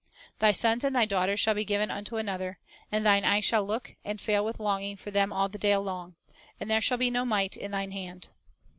"Thy sons and thy daughters shall be given unto another, ... and thine eyes shall look, and fail with longing for them all the day long; and there shall be no might in thine hand."